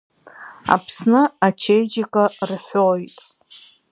Аԥсны ачеиџьыка рҳәоит.